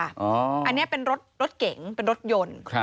อันนี้เป็นรถเก๋งเป็นรถยนต์